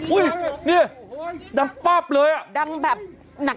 อุ้ยนี่ดังป๊าบเลยดังแบบหนัก